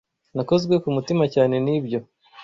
Nakozwe ku mutima cyane n'ibyo